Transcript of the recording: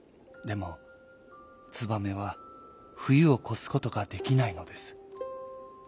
でもツバメはふゆをこすことができないのです。